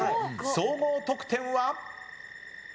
総合得点は？